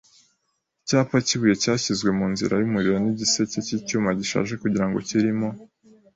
icyapa cyibuye cyashyizwe munzira yumuriro nigiseke cyicyuma gishaje kugirango kirimo